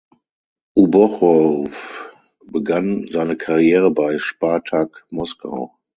Obuchow begann seine Karriere bei Spartak Moskau.